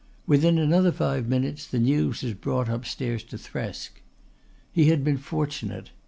Within another five minutes the news was brought upstairs to Thresk. He had been fortunate.